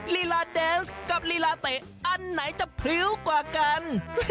ลีลาแดนส์กับลีลาเตะอันไหนจะพริ้วกว่ากัน